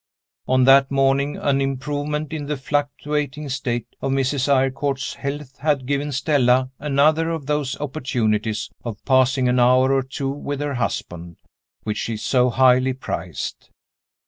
On that morning an improvement in the fluctuating state of Mrs. Eyrecourt's health had given Stella another of those opportunities of passing an hour or two with her husband, which she so highly prized.